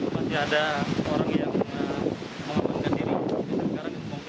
masih ada orang yang mengamankan diri